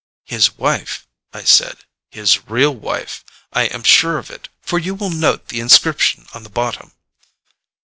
"His wife," I said. "His real wife. I am sure of it, for you will note the inscription on the bottom."